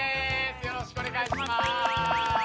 よろしくお願いします！